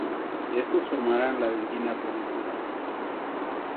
Estos formaran la dentina radicular.